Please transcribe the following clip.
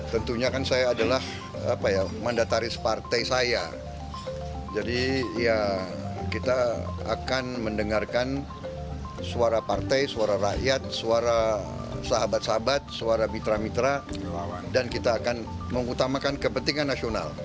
tentunya kan saya adalah mandataris partai saya jadi ya kita akan mendengarkan suara partai suara rakyat suara sahabat sahabat suara mitra mitra dan kita akan mengutamakan kepentingan nasional